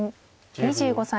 ２５歳。